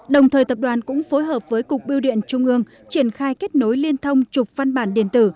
đồng thời tập đoàn cũng phối hợp với cục biêu điện trung ương triển khai kết nối liên thông trục văn bản điện tử